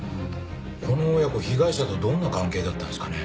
この親子被害者とどんな関係だったんですかね？